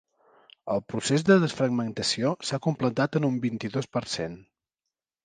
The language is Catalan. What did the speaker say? El procés de desfragmentació s'ha completat en un vint-i-dos per cent.